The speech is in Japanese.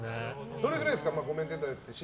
それぎらですか？